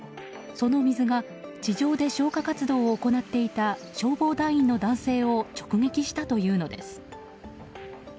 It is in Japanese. その水が地上で消火活動を行っていた消防団員の男性を直撃したというのです。